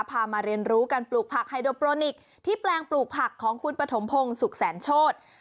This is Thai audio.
มาเรียนรู้การปลูกผักไฮโดโปรนิคที่แปลงปลูกผักของคุณปฐมพงศุกร์แสนโชธ